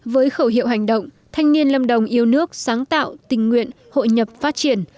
với khẩu hiệu hành động thanh niên lâm đồng yêu nước sáng tạo tình nguyện hội nhập phát triển